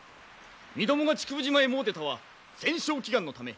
みどもが竹生島へ詣でたは戦捷祈願のため。